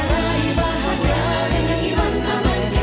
makanya kita harus berkata kata akan